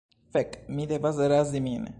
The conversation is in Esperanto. Fek' mi devas razi min